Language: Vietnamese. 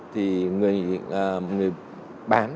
thì người bán